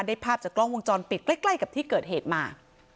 ภาพจากกล้องวงจรปิดใกล้กับที่เกิดเหตุมา